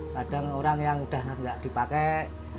kadang orang yang udah nggak dipakai